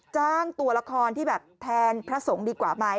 จ้างตัวละครที่แบบแทนพระสงฆ์ดีกว่าไหม